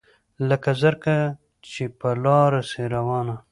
لکه زرکه چي پر لاره سي روانه